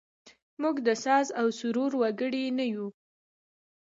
موږ د ساز او سرور وګړي نه یوو.